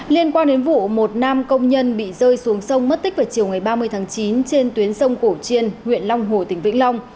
liên quan đến vụ một nam công nhân bị rơi xuống sông mất tích vào chiều ngày ba mươi tháng chín trên tuyến sông cổ chiên huyện long hồ tỉnh vĩnh long